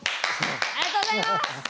ありがとうございます！